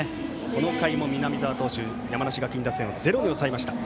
この回も南澤投手山梨学院打線をゼロに抑えました。